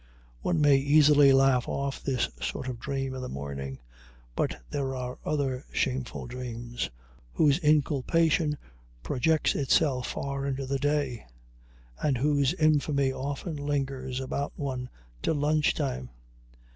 One may easily laugh off this sort of dream in the morning, but there are other shameful dreams whose inculpation projects itself far into the day, and whose infamy often lingers about one till lunch time.